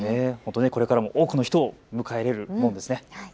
これからも多くの人を迎える門ですね。